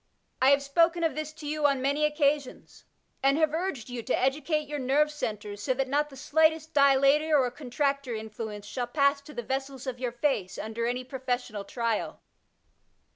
I have spoken of this to you on many occasions^ 4 Digitized by Google AEQUANIMITAfl and have urged yon to educate your nerve centres so that not the aUghteet dilator or contractor influence shall pass to the vessels of your face under any professional trial.